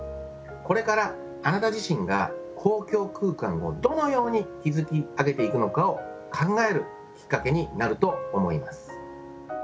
これからあなた自身が公共空間をどのように築き上げていくのかを考えるきっかけになると思います